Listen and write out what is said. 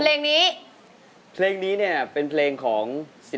เป็นเพลงศิลปินทั้งหมด๓คนร้องด้วยกัน